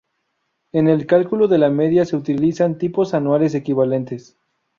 En el cálculo de la media se utilizan tipos anuales equivalentes.